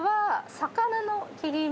魚の切り身！